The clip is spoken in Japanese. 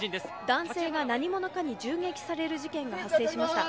「男性が何者かに銃撃される事件が発生しました」